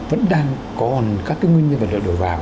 vẫn đang có các nguyên nhân vật liệu đầu vào